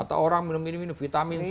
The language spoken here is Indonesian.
atau orang minum minum vitamin c